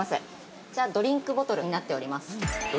こちらドリンクボトルになっております。